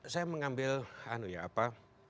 saya mengambil ya apa